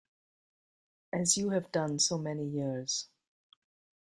As you have done so many years.